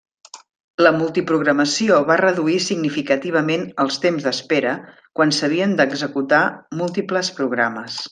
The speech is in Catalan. La multiprogramació va reduir significativament els tems d'espera quan s'havien d'executar múltiples programes.